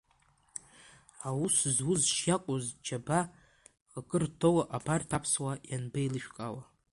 Аус зуз шиакәу зџьаба акыр ҭоу абарҭ аԥсуаа ианбеилышәкаауа?